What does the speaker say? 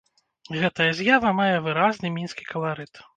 Гэтая з'ява мае выразны мінскі каларыт.